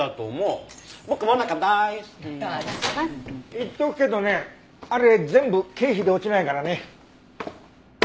言っとくけどねあれ全部経費で落ちないからね。